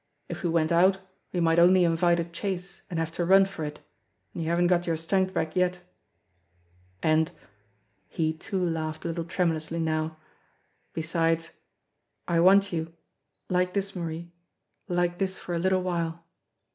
"If we went out we might only invite a chase and have to run for it, and you haven't got your strength back yet. And" he too laughed a little tremulously now "be sides I want you like this, Marie like this for a little while."